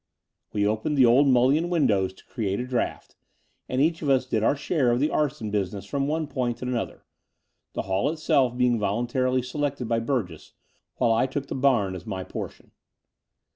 We opened the old mullioned windows to create a draught ; and each of us did our share of the arson business from one point and another — the hall itself being voluntarily selected by Burgess, while I took the barn as my portion.